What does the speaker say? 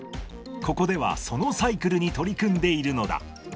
ここではそのサイクルに取り組んでいるのだ。